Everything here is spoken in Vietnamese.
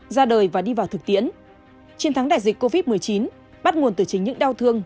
ra đời và đi vào thực tiễn chiến thắng đại dịch covid một mươi chín bắt nguồn từ chính những đau thương